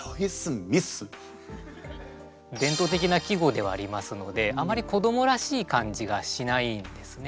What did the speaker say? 伝統的な季語ではありますのであまり子どもらしい感じがしないんですね。